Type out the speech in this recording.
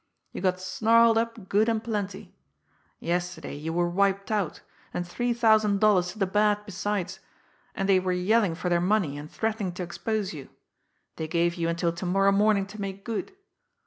You got snarled up good and plenty. Yesterday you were wiped out, and three thousand dollars to the bad besides, and they were yelling for their money and threatening to expose you. They gave you until to morrow morning to make good.